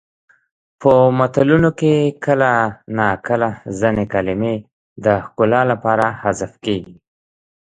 په متلونو کې کله ناکله ځینې کلمې د ښکلا لپاره حذف کیږي